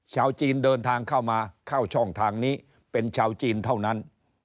ชาวจีนเดินทางเข้ามาเข้าช่องทางนี้เป็นชาวจีนเท่านั้น